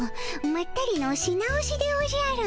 まったりのし直しでおじゃる。